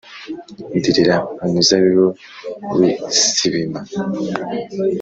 ndirira umuzabibu w’i Sibima;